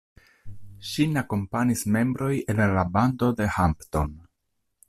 Ŝin akompanis membroj el la bando de Hampton.